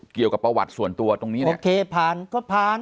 เกี่ยวกับประวัติส่วนตัวตรงนี้นะโอเคผ่านก็ผ่าน